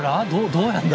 どうやるんだ？